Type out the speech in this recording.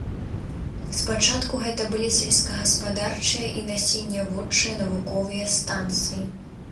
Спачатку гэта былі сельскагаспадарчыя і насенняводчыя навуковыя станцыі.